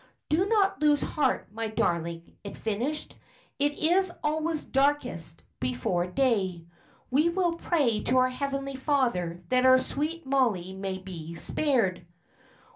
"Do not lose heart, my darling," it finished. "It is always darkest before day. We will pray to our Heavenly Father that our sweet Mollie may be spared."